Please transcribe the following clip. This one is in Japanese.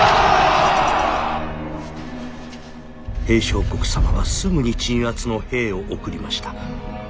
「平相国様はすぐに鎮圧の兵を送りました。